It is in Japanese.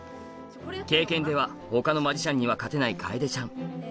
経験では他のマジシャンには勝てないかえでちゃん